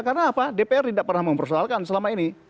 karena apa dpr tidak pernah mempersoalkan selama ini